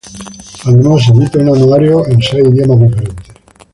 Además, se edita un anuario en seis idiomas diferentes.